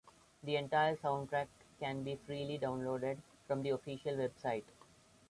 The entire soundtrack can be freely downloaded from the official website.